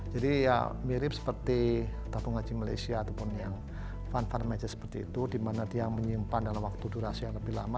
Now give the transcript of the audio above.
jadi ya mirip seperti tabung haji malaysia ataupun yang fund farm aja seperti itu di mana dia menyimpan dalam waktu durasi yang lebih lama